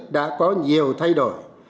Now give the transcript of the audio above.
đã có nhiều thay đổi